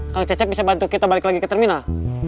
kalau cecep bisa bantu kita balik lagi ke terminal